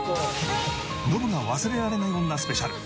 ノブが忘れられない女スペシャル。